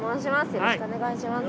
よろしくお願いします。